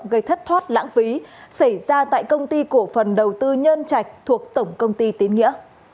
gây thất thoát lãng phí xảy ra tại công ty cổ phần đầu tư nhân trạch thuộc tổng công ty tín nghĩa